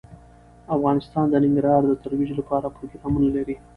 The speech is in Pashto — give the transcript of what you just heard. افغانستان د ننګرهار د ترویج لپاره پروګرامونه لري.